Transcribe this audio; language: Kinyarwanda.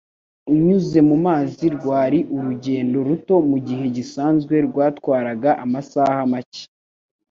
unyuze mu mazi rwari urugendo ruto mu gihe gisanzwe rwatwaraga amasaha make;